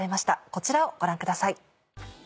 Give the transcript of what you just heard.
こちらをご覧ください。